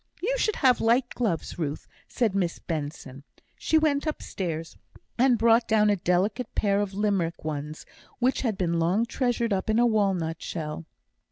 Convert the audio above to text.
"You should have light gloves, Ruth," said Miss Benson. She went upstairs, and brought down a delicate pair of Limerick ones, which had been long treasured up in a walnut shell.